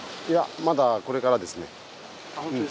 いやまだこれからですね。